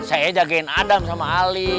saya jagain adam sama ali